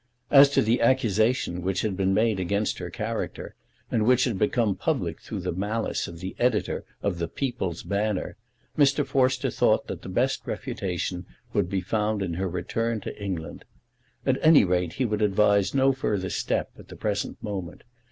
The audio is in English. As to the accusation which had been made against her character, and which had become public through the malice of the editor of The People's Banner, Mr. Forster thought that the best refutation would be found in her return to England. At any rate he would advise no further step at the present moment.